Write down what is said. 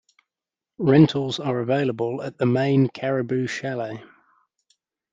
Rentals are available at the main Caribou Chalet.